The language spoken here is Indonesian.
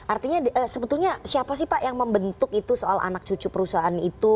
artinya sebetulnya siapa sih pak yang membentuk itu soal anak cucu perusahaan itu